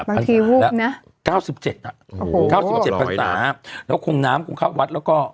ฮูบนะ๙๗อ่ะ๙๗พันศาแล้วคงน้ำคงเข้าวัดแล้วก็